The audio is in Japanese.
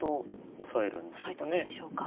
押さえるんでしょうかね。